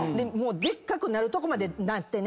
でっかくなるとこまでなってね。